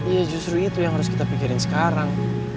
ya justru itu yang harus kita pikirin sekarang